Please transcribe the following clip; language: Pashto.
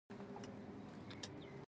دا ټوټې بیا د بدن د استفادې وړ ګرځي.